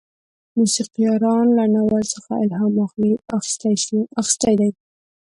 موسیقارانو له ناول څخه الهام اخیستی دی.